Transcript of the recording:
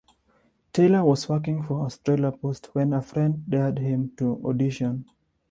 Taylor was working for Australia Post when a friend dared him to audition.